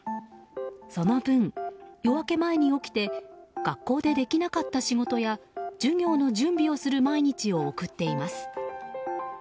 その分、夜明け前に起きて学校でできなかった仕事や授業の準備をする毎日を送っています。